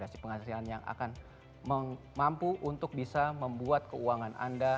berarti anda memiliki fondasi penghasilan yang akan mampu untuk bisa membuat keuangan anda